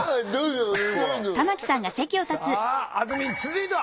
さああずみん続いては？